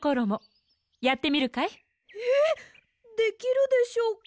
えっできるでしょうか。